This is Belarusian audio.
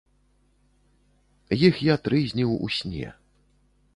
Іх я трызніў у сне.